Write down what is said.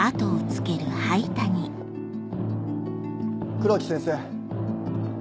黒木先生。